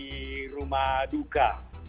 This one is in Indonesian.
di rumah duka